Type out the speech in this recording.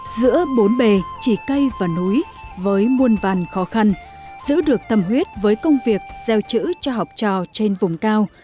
giữa bốn bề chỉ cây và núi với muôn vàn khó khăn giữ được tâm huyết với công việc gieo chữ cho học trò trên vùng cao